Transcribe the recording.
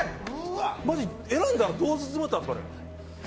マジ、選んだらどうなったんですか？